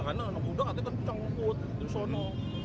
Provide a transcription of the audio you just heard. karena anak muda hati hati kecengkut itu sono